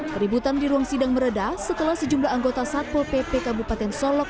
keributan di ruang sidang meredah setelah sejumlah anggota satpol pp kabupaten solok